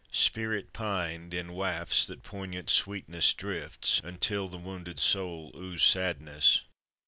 Spirit pined, In wafts that poignant sweetness drifts, until The wounded soul ooze sadness.